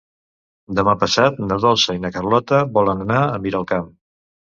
Demà passat na Dolça i na Carlota volen anar a Miralcamp.